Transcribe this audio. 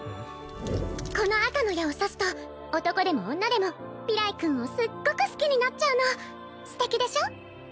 この赤の矢を刺すと男でも女でも明日君をすっごく好きになっちゃうのステキでしょ？